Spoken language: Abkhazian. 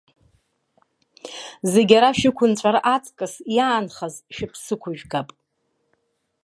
Зегьы ара шәықәынҵәар аҵкыс, иаанхаз шәыԥсы ықәыжәгап.